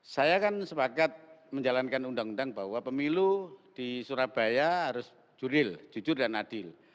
saya kan sepakat menjalankan undang undang bahwa pemilu di surabaya harus juril jujur dan adil